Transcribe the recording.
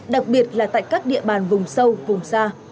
đặc biệt là tại các địa bàn vùng sâu vùng xa